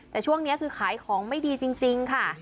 แต่ช่วงนี้คือขายของไม่ดีจริงค่ะ